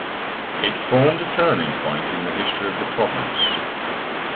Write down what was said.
It formed a turning point in the history of the province.